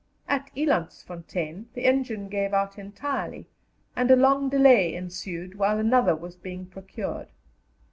At Elandsfontein the engine gave out entirely, and a long delay ensued while another was being procured.